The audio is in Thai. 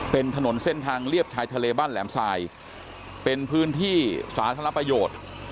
เป็นถนนเส้นทางเรียบชายทะเลบ้านแหลมทรายเป็นพื้นที่สาธารณประโยชน์